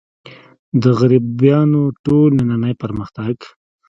د غربیانو ټول نننۍ پرمختګ.